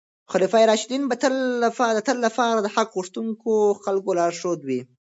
خلفای راشدین به د تل لپاره د حق غوښتونکو خلکو لارښود وي.